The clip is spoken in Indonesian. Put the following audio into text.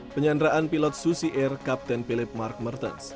penyanderaan pilot susi air kapten philip mark mertens